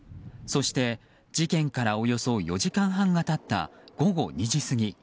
そして、事件からおよそ４時間半が経った午後２時過ぎ。